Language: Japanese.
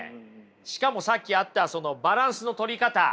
しかもさっきあったそのバランスの取り方